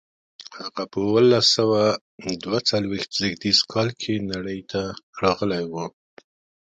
هغه په اوولس سوه دوه څلویښت زېږدیز کال کې نړۍ ته راغلی و.